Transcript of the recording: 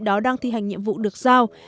đó đang thi hành nhiệm vụ được giao